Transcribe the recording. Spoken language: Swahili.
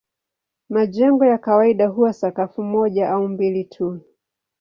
Majengo ya kawaida huwa sakafu moja au mbili tu.